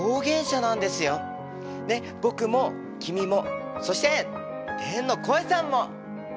僕も君もそして天の声さんも！